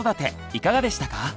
いかがでしたか？